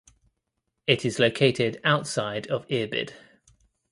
It is located outside of Irbid.